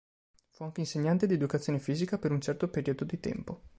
Fu anche insegnante di educazione fisica per un certo periodo di tempo.